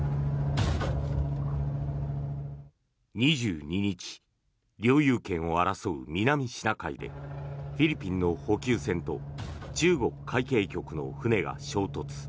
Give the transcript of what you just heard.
２２日、領有権を争う南シナ海でフィリピンの補給船と中国海警局の船が衝突。